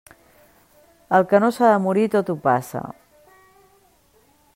El que no s'ha de morir, tot ho passa.